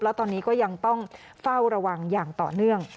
แล้วตอนนี้ก็ยังต้องเฝ้าระวังอย่างต่อเนื่อง